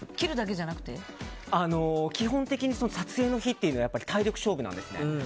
基本的に撮影の日は体力勝負なんですね。